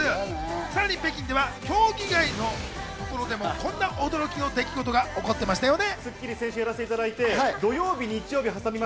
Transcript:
さらに北京では競技場の外でもこんな驚きの出来事が起こっていましたよね。